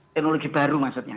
teknologi baru maksudnya